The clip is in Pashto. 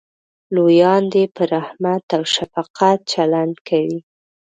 لویان دې په رحمت او شفقت چلند کوي.